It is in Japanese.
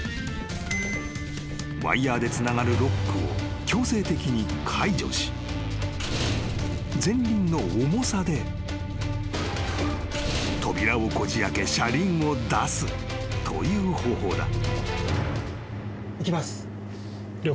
［ワイヤでつながるロックを強制的に解除し前輪の重さで扉をこじあけ車輪を出すという方法だ］